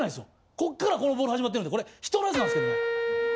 こっからこのボール始まってるんでこれ人のやつなんですけどね。